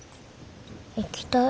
行きたい。